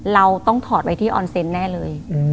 เราต้องถอดไว้ที่ออนเซนต์แน่เลย